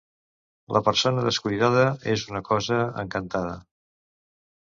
La persona descuidada és una cosa encantada.